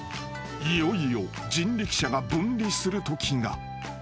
［いよいよ人力車が分離するときが］